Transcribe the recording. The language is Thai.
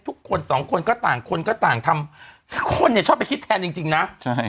ทุกคนสองคนก็ต่างคนก็ต่างทำคนเนี่ยชอบไปคิดแทนจริงนะใช่